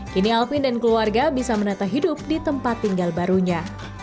kini alpin dan keluarga bisa menata hidup di tempat tinggal barunya